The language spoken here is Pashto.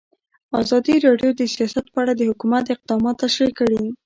ازادي راډیو د سیاست په اړه د حکومت اقدامات تشریح کړي.